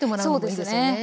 そうですね。